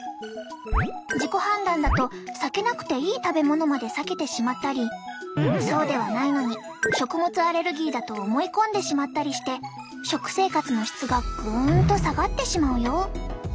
自己判断だと避けなくていい食べ物まで避けてしまったりそうではないのに食物アレルギーだと思い込んでしまったりして食生活の質がぐんと下がってしまうよ。